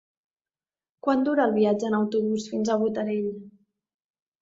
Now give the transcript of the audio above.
Quant dura el viatge en autobús fins a Botarell?